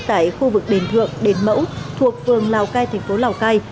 tại khu vực đền thượng đền mẫu thuộc phường lào cai thành phố lào cai